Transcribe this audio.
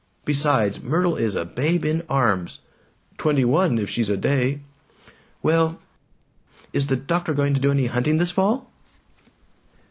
Besides, Myrtle is a babe in arms!" "Twenty one if she's a day!" "Well Is the doctor going to do any hunting this fall?"